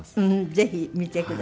ぜひ見てください。